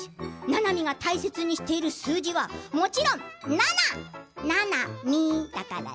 ななみが大切にしている数字ももちろん７だよ！